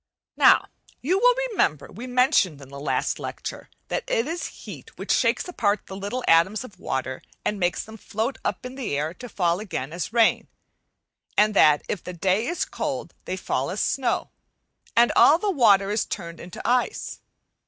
Now you will remember we mentioned in the last lecture that it is heat which shakes apart the little atoms of water and makes them gloat up in the air to fall again as rain; and that if the day is cold they fall as snow, and all the water is turned into ice.